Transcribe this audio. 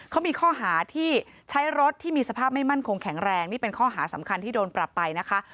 เขามีข้อหาที่ใช้รถที่มีสภาพไม่มั่นคงแข็งแรงนี่เป็นข้อหาสำคัญที่โดนปรับไปนะคะ